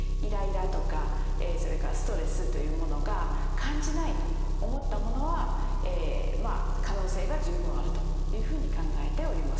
それからストレスというものが感じないと思ったものは可能性が十分あるというふうに考えております。